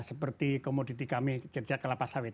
seperti komoditi kami kerja kelapa sawit